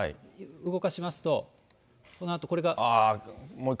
動かしますと、このあとこれが。